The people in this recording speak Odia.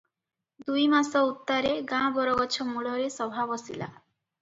ଦୁଇମାସ ଉତ୍ତାରେ ଗାଁ ବରଗଛ ମୂଳରେ ସଭା ବସିଲା ।